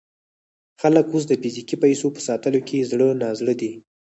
خلک اوس د فزیکي پیسو په ساتلو کې زړه نا زړه دي.